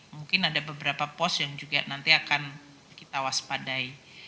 mungkin ada beberapa pos yang juga nanti akan kita waspadai